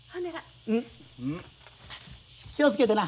気を付けてな。